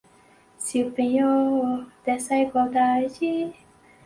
Se o penhor dessa igualdade